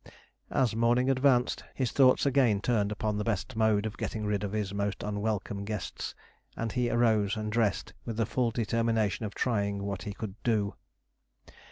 As morning advanced, his thoughts again turned upon the best mode of getting rid of his most unwelcome guests, and he arose and dressed, with the full determination of trying what he could do.